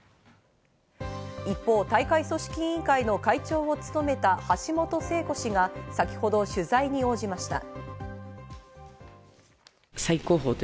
一方、大会組織委員会の会長を務めた橋本聖子氏が、先ほど取材に応じました。